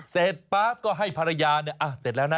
เสร็จปั๊บก็ให้ภรรยาเสร็จแล้วนะ